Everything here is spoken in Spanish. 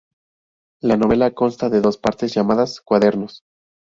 La novela consta de dos partes llamadas "cuadernos".